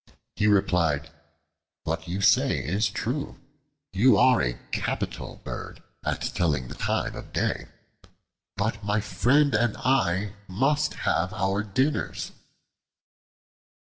He replied, "What you say is true. You are a capital bird at telling the time of day. But my friend and I must have our dinners."